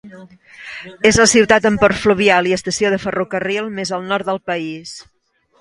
És la ciutat amb port fluvial i estació de ferrocarril més al nord del país.